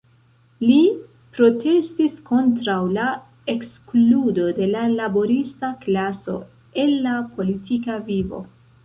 Li protestis kontraŭ la ekskludo de la laborista klaso el la politika vivo.